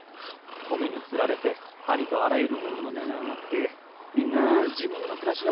米に釣られてありとあらゆるものの値が上がってみんな自分の暮らしが不安でしょうがないんでげすよ。